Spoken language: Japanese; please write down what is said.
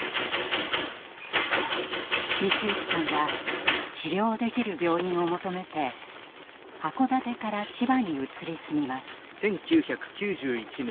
光行さんは治療できる病院を求めて函館から千葉に移り住みます。